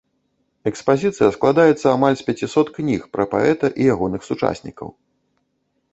Экспазіцыя складаецца амаль з пяцісот кніг пра паэта і ягоных сучаснікаў.